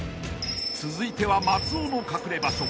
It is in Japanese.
［続いては松尾の隠れ場所］